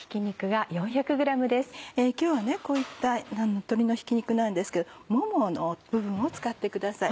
今日はこういった鶏のひき肉なんですけどももの部分を使ってください。